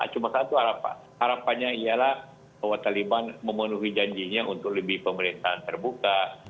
cuma satu harapannya ialah bahwa taliban memenuhi janjinya untuk lebih pemerintahan terbuka